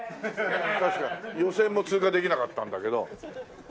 確か予選も通過できなかったんだけど。